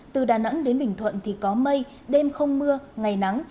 từ đà nẵng đến bình thuận thì có mây đêm không mưa ngày nắng